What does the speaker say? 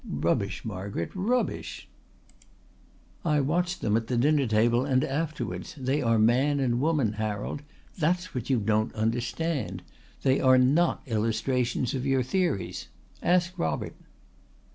"Rubbish, Margaret, rubbish." "I watched them at the dinner table and afterwards. They are man and woman, Harold. That's what you don't understand. They are not illustrations of your theories. Ask Robert."